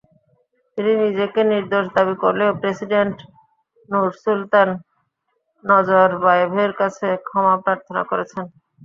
তিনি নিজেকে নির্দোষ দাবি করলেও প্রেসিডেন্ট নুরসুলতান নজরবায়েভের কাছে ক্ষমা প্রার্থনা করেছেন।